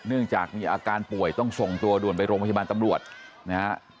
เนื่องจากมีอาการป่วยต้องส่งตัวด่วนไปโรงพยาบาลตำรวจนะฮะ